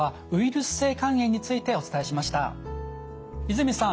泉さん